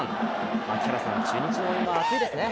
槙原さん、中日の応援は熱いですね。